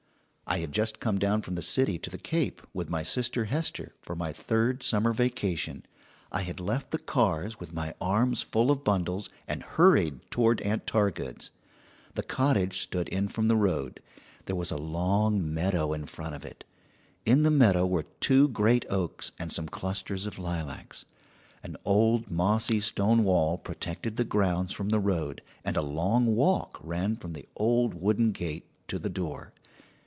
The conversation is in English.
I had just come down from the city to the Cape with my sister Hester for my third summer vacation. I had left the cars with my arms full of bundles, and hurried toward Aunt Targood's. The cottage stood in from the road. There was a long meadow in front of it. In the meadow were two great oaks and some clusters of lilacs. An old, mossy stone wall protected the grounds from the road, and a long walk ran from the old wooden gate to the door.